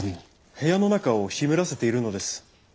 部屋の中を湿らせているのです。